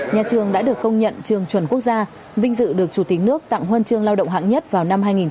nhà trường đã được công nhận trường chuẩn quốc gia vinh dự được chủ tịch nước tặng huân chương lao động hạng nhất vào năm hai nghìn một mươi